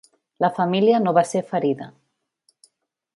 La família no va ser ferida.